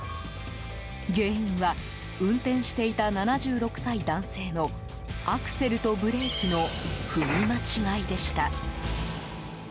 原因は運転していた７６歳男性のアクセルとブレーキの踏み間違いでした。